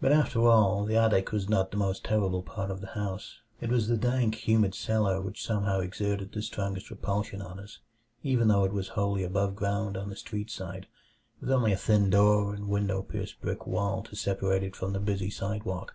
But after all, the attic was not the most terrible part of the house. It was the dank, humid cellar which somehow exerted the strongest repulsion on us, even though it was wholly above ground on the street side, with only a thin door and window pierced brick wall to separate it from the busy sidewalk.